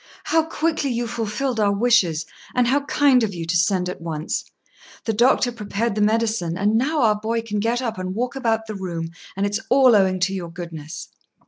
"How quickly you fulfilled our wishes, and how kind of you to send at once! The doctor prepared the medicine, and now our boy can get up and walk about the room; and it's all owing to your goodness."